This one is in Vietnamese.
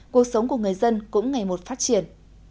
cuộc sống của người dân cũng ngày một phát triển